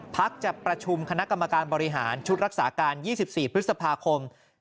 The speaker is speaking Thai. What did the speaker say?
จะประชุมคณะกรรมการบริหารชุดรักษาการ๒๔พฤษภาคม